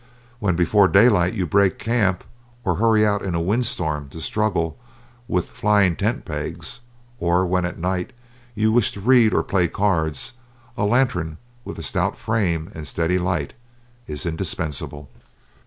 When before daylight you break camp, or hurry out in a wind storm to struggle with flying tent pegs, or when at night you wish to read or play cards, a lantern with a stout frame and steady light is indispensable.